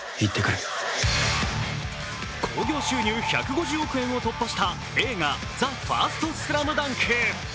興行収入１５０億円を突破した映画「ＴＨＥＦＩＲＳＴＳＬＡＭＤＵＮＫ」。